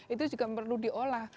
itu juga perlu diolah